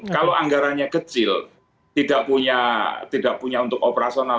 kalau anggarannya kecil tidak punya untuk operasional